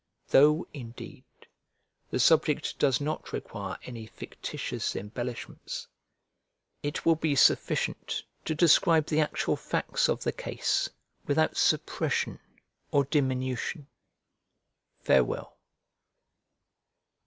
Though, indeed, the subject does not require any fictitious embellishments; it will be sufficient to describe the actual facts of the case without suppression or diminution. Farewell.